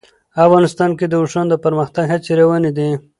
افغانستان کې د اوښانو د پرمختګ هڅې روانې دي.